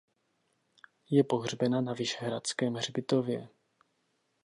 Je pohřbena na vyšehradském hřbitově.